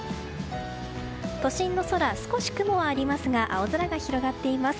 都心の空、少し雲はありますが青空が広がっています。